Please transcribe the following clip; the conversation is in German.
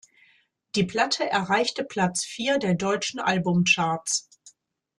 Die Platte erreichte Platz vier der deutschen Albumcharts.